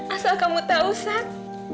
asal kamu tahu sat